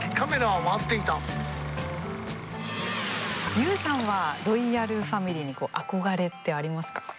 ＹＯＵさんはロイヤルファミリーにこう憧れってありますか？